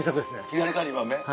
左から２番目。